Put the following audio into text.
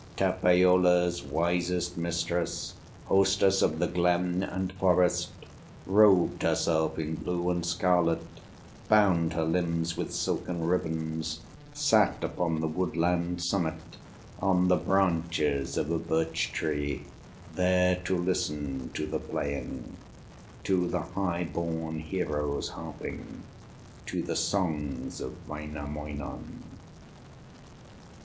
Tapiola's wisest mistress, Hostess of the glen and forest, Robed herself in blue and scarlet, Bound her limbs with silken ribbons, Sat upon the woodland summit, On the branches of a birch tree, There to listen to the playing, To the high born hero's harping, To the songs of Wainamoinen.